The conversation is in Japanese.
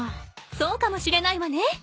そうかもしれないわね。